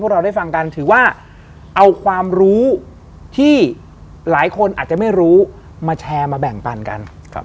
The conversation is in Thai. เราได้ฟังกันถือว่าเอาความรู้ที่หลายคนอาจจะไม่รู้มาแชร์มาแบ่งปันกัน